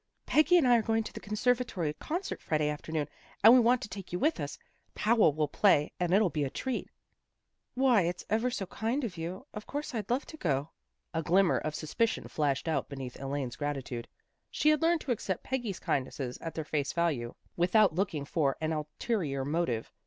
" Peggy and I are going to the Conservatory concert Friday afternoon, and we want to take you with us. Powell will play, and it'll be a treat." " Why, it's ever so kind of you. Of course I'd love to go." A glimmer of suspicion flashed out beneath Elaine's gratitude. She had learned to accept Peggy's kindnesses at their face value, without looking for an ulterior motive.